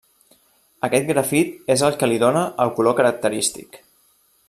Aquest grafit és el que li dóna el color característic.